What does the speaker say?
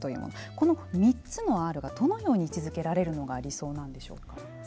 この３つのＲがどのように位置づけられるのが理想なんでしょうか。